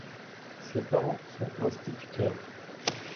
Ses parents sont instituteurs.